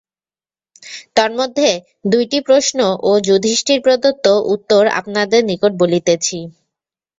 তন্মধ্যে দুইটি প্রশ্ন ও যুধিষ্ঠিরপ্রদত্ত উত্তর আপনাদের নিকট বলিতেছি।